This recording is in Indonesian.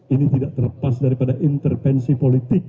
ini tidak terlepas daripada intervensi politik